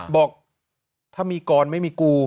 บอกถ้ามีกรไม่มีกู